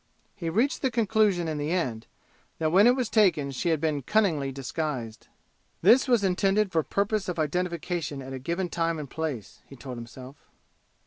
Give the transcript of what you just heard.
He reached the conclusion in the end that when it was taken she had been cunningly disguised. "This was intended for purpose of identification at a given time and place," he told himself.